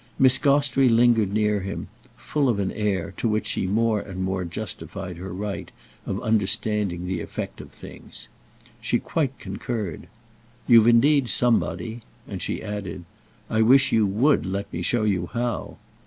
Miss Gostrey lingered near him, full of an air, to which she more and more justified her right, of understanding the effect of things. She quite concurred. "You've indeed somebody." And she added: "I wish you would let me show you how!"